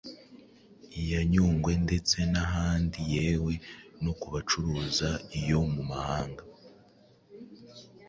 iya Nyungwe ndetse n’ahandi yewe no kubacuruza iyo mu mahanga